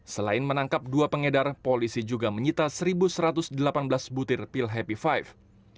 selain menangkap dua pengedar polisi juga menyita satu satu ratus delapan belas butir pil happy five